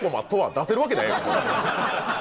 出せるわけないやろ。